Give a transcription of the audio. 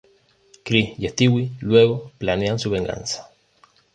Chris y Stewie luego planean su venganza.